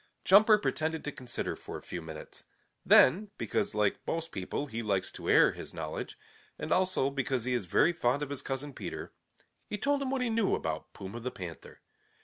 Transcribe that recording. Jumper pretended to consider for a few minutes. Then, because like most people he likes to air his knowledge, and also because he is very fond of his cousin Peter, he told him what he knew about Puma the Panther.